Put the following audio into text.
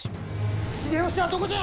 秀吉はどこじゃ！